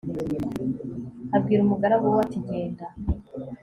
abwira umugaragu we ati « genda